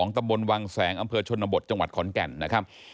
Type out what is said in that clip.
ตำบลวังแสงอำเภอชนบทจังหวัดขอนแก่นนะครับ